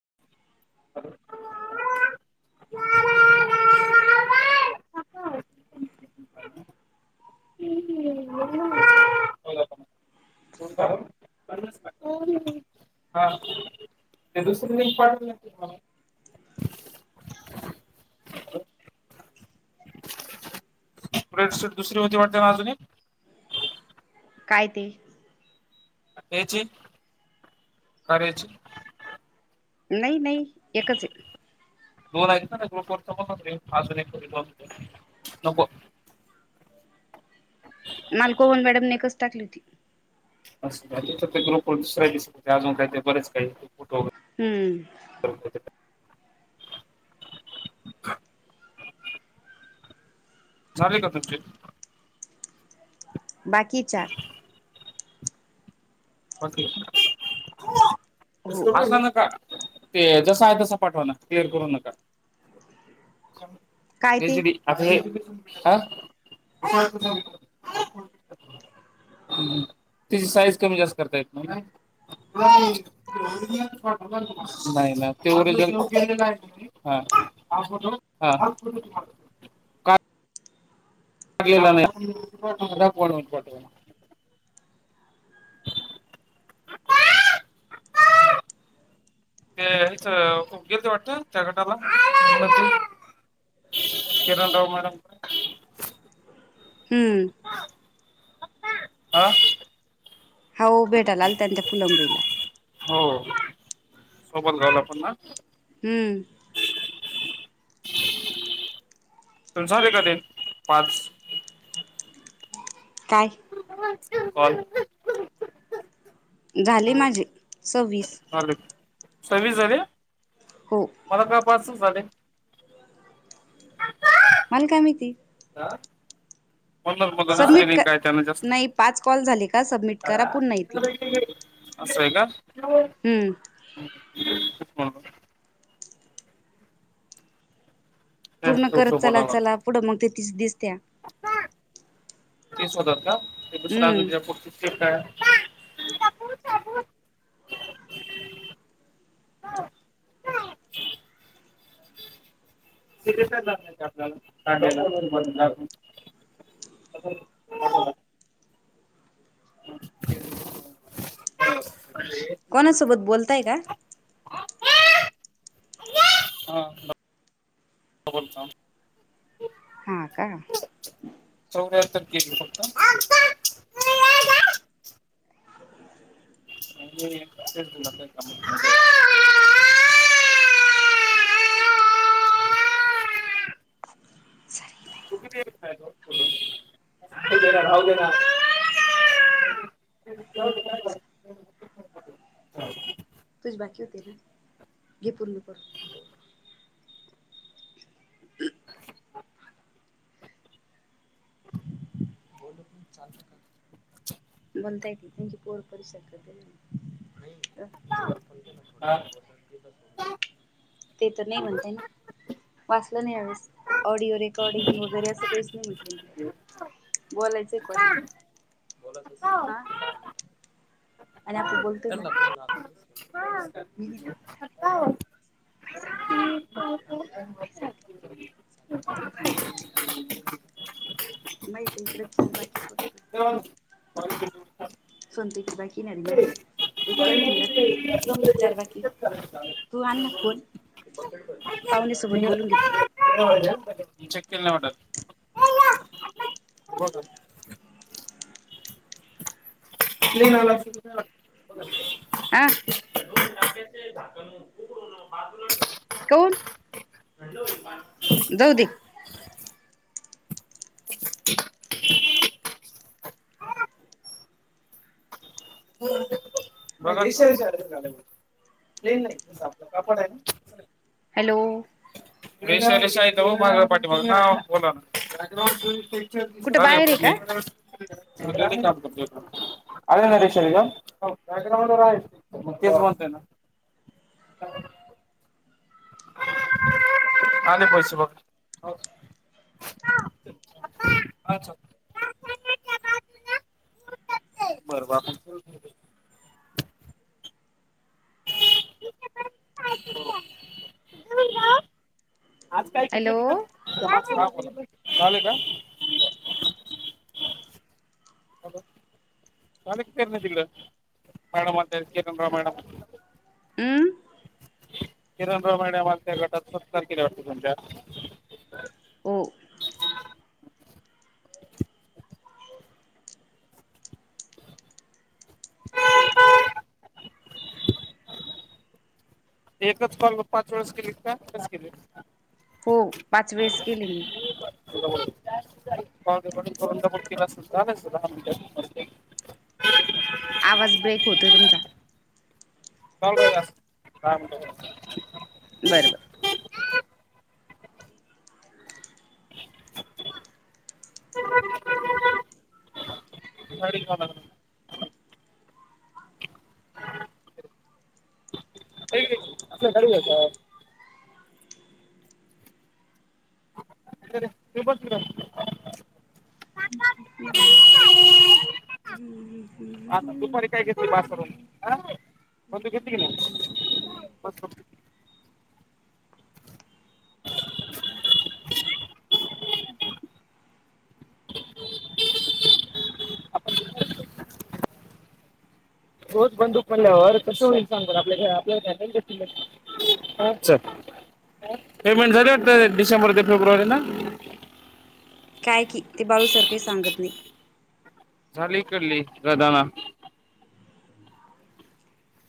[unintelligible] [unintelligible] [unintelligible] Red sheet दुसरी होती वाटता आजुन एक? काय ते? तेची, खरेची नाही नाही एकचय दोन हायेत ना त्या ग्रुप आजुन एक नको मालकोहन मॅडमने एकच टाकली होती थ ते ग्रुप वर दुसऱ्या दिस अजून काही ते बरेच काही फोटो हम्म वगैरे झाले का तुमचे? बाकीय चार [unintelligible] हो असनका ते जस आहे तस पाठवा ना क्लिअर करू नका. काय ते हेच आता हे [unintelligible] हा त्याची साईज कमी जास्त करता येत नाही- नाही तुला ती ओरिजिनल पाठवला, नाही ना [unintelligible] अला नाहीणट [unintelligible] [inaudible] तेच गेलते वाटत नाहीय त्या गटाला किरणराव मॅडम [unintelligible] हम्म आ? हो भेटाला आल्या ना त्या फुलंब्रीला हो सोबत राहायला पण ना? हम तुमचे झाले का ते पाच? काय? काॅल? झाली माझी सहव्वीस सवी झाले मला काय पासच झाले? मल का मीती? हा सबमिट क नाही, पाच कॉल झाले का? सबमिट करा पुन्हा येतील. असं आहे का? हो! हम्म हो पूर्ण करत म्हणून चला चला पुढं मग ति- स दिसत्या तेच होतात का? ते दुसरा हम्म अजून ज्यापरत काय? पा तेग आपल्याला लागायलाब ला [unintelligible] कोणासोबत बोलत? ताय का? हत हा का? [unintelligible] आ [inaudible] तुच बाकी होते ना? घे पूर्ण करून. हम्. बणतय, त्यांची पोर परिसारखि हा. ते तर नाही म्हणतय ना? वाचलं नाही हवेस ऑडिओ रेकॉर्डिंग वगैरे असं काहीच नाही म्हटलं बोलायचं [unintelligible] बोलतो [unintelligible] [inaudible] [inaudible] माहित इकडे चार बाकी [unintelligible] [inaudible] सुनते त बाकी नाही माझी, एक केला त मी रात्री चार बाकी तू आण ना फोन [inaudible] [unintelligible] पाहुण्यासोबत बोलून घे तू चेक केलं नाही वाटत ब [unintelligible] [inaudible] नाही नाला [unintelligible] आ. कोण? जाऊ दे [unintelligible] [inaudible] मग [unintelligible] [inaudible] हॅलो. रेश रेशाग पाठी मग का बोला कुठे बाहेर आहे का [unintelligible] [inaudible] [unintelligible] [inaudible] मग तेच म्हणतोय ना आले पैसे बघ, [unintelligible] बर [unintelligible] [inaudible] आज काय घेतलं हॅलो तिथ चाले का [unintelligible] [inaudible] हमं. किरण रोमाणे मला त्या गटात [unintelligible] तुमच्या हो एकच कॉल पाच वेळेस केली कास केली? हो पाच वेळेस केले मी ं तंडपर केला सुद्ध दहा मिनिट आवाज ब्रेक होतोय तुमचा. [unintelligible] [inaudible] बरबर. खरी का? [unintelligible] [inaudible] [unintelligible] [inaudible] हा दुपारी काय घेत बा [unintelligible] घेतकी नाही रोज बंदूक पडल्यावर कस होईल सांग आपल्याला काय आपल्या अच्छा पेमेंट झाली डिसेंबर ते फेब्रुवारी ना काय की ते बाळूसारखही सांगत नाही. झाली इकडली रादाना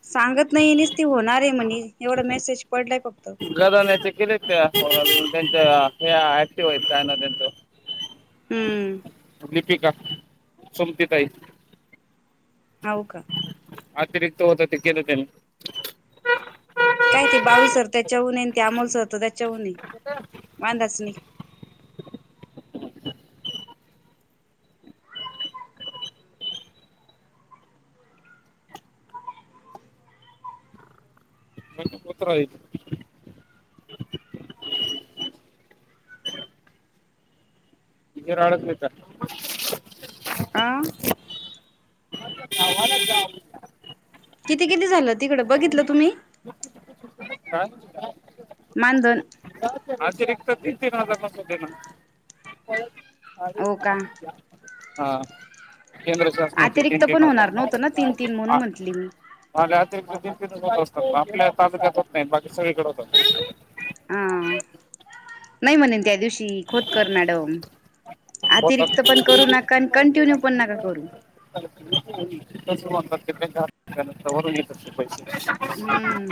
सांगत नाही नस ती होणार आहे म्हणे एवढा मेसेज पडलाय फक्त गेले [unintelligible] हे ऍक्टिव्ह आहेत काय ना त्यांच हम्म लीपिका सुमती ताई होव का अतिरिक्त होत ते केलं त्यानी काय ते बाळू सर त्याच्या उनआय ते अमोल सर तर त्याच्याउनाय नाही वांधाच नाही [unintelligible] आहे [inaudible] [unintelligible] आ [inaudible] किती किती झालं - तिकडं बघितलं तुम्ही हा [inaudible] माांधन अतिरिक्त तीन तीन हजार पसुन दे ना - अधिक हो का मास [unintelligible] हा. केंद्र शासनाचे तीन अतिरिक्त तीन पण हजा [unintelligible] - होणार [unintelligible] नव्हतं ना तीन तीन म्हणून म्हंटली मी असतात - आपल्या तालुक्यात होत नाइत, बाकी सगळीकडं होतात. [unintelligible] हा! नाही म्हणे त्या दिवशी खोतकर मॅडम - [unintelligible] आणि कंटिन्यू पण [inaudible] नका करू [unintelligible] पैसे - हम्म.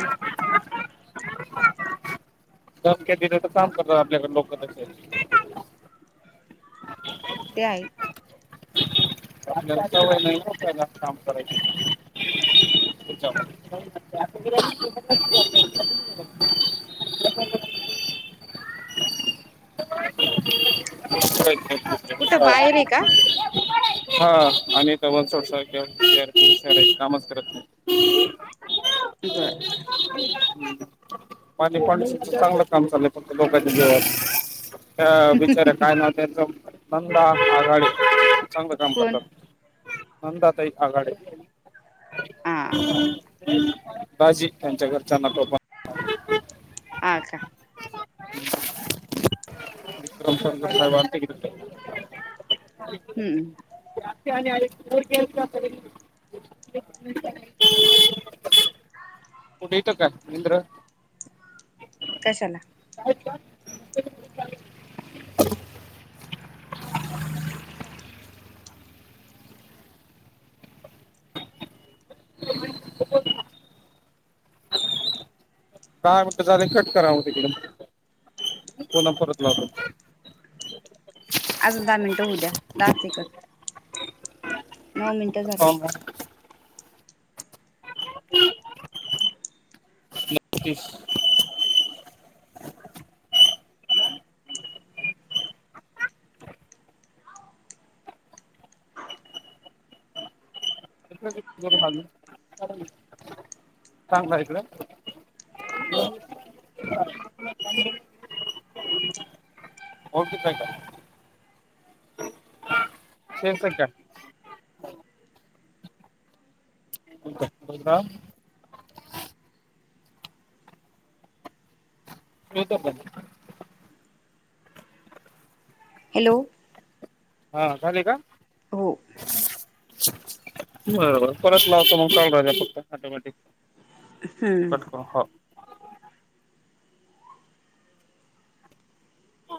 [unintelligible] धमक्या देण्याचं काम त करता आपल्याकड लोकसे [inaudible] - तेआई - [inaudible] काम करायच [inaudible] - [inaudible] कुठं बाहेर आहे [inaudible] का हा आम्हीत [inaudible] कामच करत नाइ. बर पाणी पात चांगलं काम चाल्लय फक्त लोकांच्या. [inaudible] त्या बिचाऱ्या! काय नाव त्यांचं? [unintelligible] आघाडी - चांगलं काम कोण करतात. नंदाताई आघाडे. हा [inaudible] बाजी, त्यांच्या घरच्यांना [unintelligible] आ का - [inaudible] [unintelligible] हम्म जास्ती आणि ऐ - दुर्केल [inaudible] - कुटे इत का चीद्र? कशाला? [inaudible] काय म्ह कसं झाले कट करावं तिकडं. पुन्हा परत लाता. आजून दा मिंटं हू द्या. दहा सेकंद - नऊ मिंटं झाली. लावतो [inaudible] चांगता इकडे ओके का से का [inaudible] बोलत [inaudible] म तर ब [inaudible] हॅलो हा झाली का हो बरोबर परत लावत मग चालू राहि फक्त टोमॅटिक हम्म कतक [unintelligible] हो ह